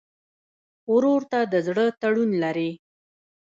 ورور ته د زړه تړون لرې.